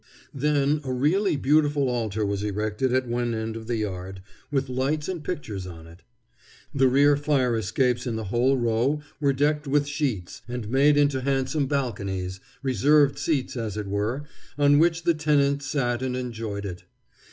Then a really beautiful altar was erected at one end of the yard, with lights and pictures on it. The rear fire escapes in the whole row were decked with sheets, and made into handsome balconies, reserved seats, as it were, on which the tenants sat and enjoyed it.